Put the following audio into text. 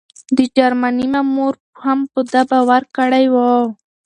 د جرمني مامور هم په ده باور کړی و.